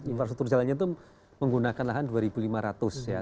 infrastruktur jalannya itu menggunakan lahan dua lima ratus ya